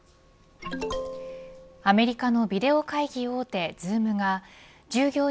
アメリカのビデオ会議大手Ｚｏｏｍが従業員